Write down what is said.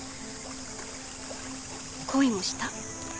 恋もした。